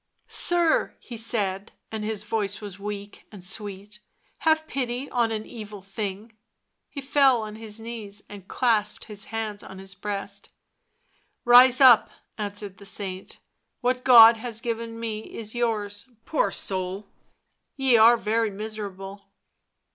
" Sir," he said, and his voice was weak and sweet, " have pity on an evil thing." He fell on his knees and clasped his hands on his breast. " Rise up," answered the saint. " What God has given me is yours; poor soul, ye are very miserable."